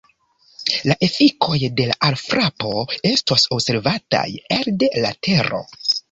La efikoj de la alfrapo estos observataj elde la Tero.